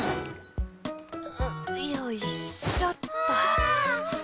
よいしょっと！わ！